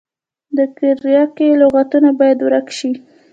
د کرکې لغتونه باید ورک شي.